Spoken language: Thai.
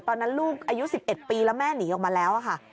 ตอนนั้นลูกอายุ๑๑ปีแล้วแม่หนีออกมาแล้วค่ะ